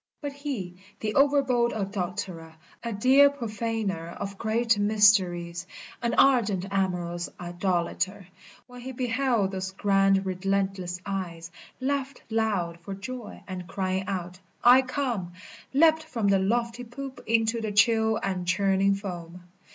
But he, the over bold adulterer, A dear profaner of great mysteries, An ardent amorous idolater, When he beheld those grand relentless eyes Laughed loud for joy, and crying out " I come " Leapt from the lofty poop into the chill and churning foam.